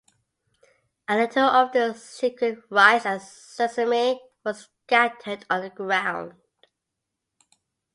A little of this sacred rice and sesame was scattered on the ground.